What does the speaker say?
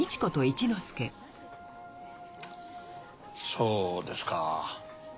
そうですか。